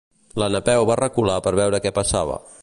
La Napeu va recular per veure què passava.